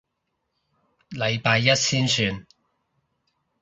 禮拜一先算